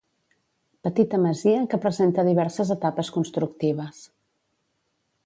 Petita masia que presenta diverses etapes constructives.